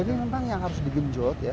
jadi memang yang harus digenjot ya